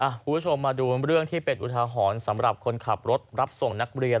คุณผู้ชมมาดูเรื่องที่เป็นอุทาหรณ์สำหรับคนขับรถรับส่งนักเรียน